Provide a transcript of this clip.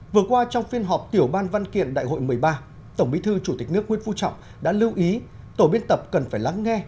vừa qua trong phiên họp tiểu ban văn kiện đại hội một mươi ba tổng bí thư chủ tịch nước nguyễn phú trọng đã lưu ý tổ biên tập cần phải lắng nghe